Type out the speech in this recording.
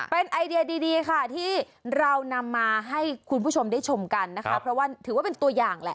เป็นไอเดียดีค่ะที่เรานำมาให้คุณผู้ชมได้ชมกันนะคะเพราะว่าถือว่าเป็นตัวอย่างแหละ